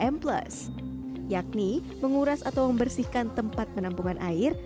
m plus yakni menguras atau membersihkan tempat penampungan air